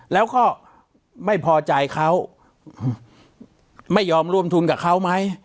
แล้วก็ไม่พอใจเขาไม่ยอมร่วมทุนกับเขาไหม